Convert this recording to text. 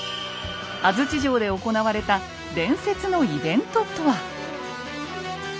安土城で行われた伝説のイベントとは？